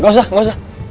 gak usah gak usah